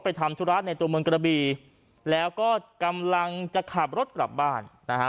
ทำธุระในตัวเมืองกระบีแล้วก็กำลังจะขับรถกลับบ้านนะฮะ